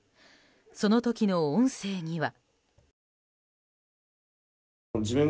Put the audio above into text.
その時の音声には。